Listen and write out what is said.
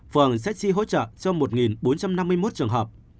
phường sẽ chi hỗ trợ cho một bốn trăm năm mươi một trường hợp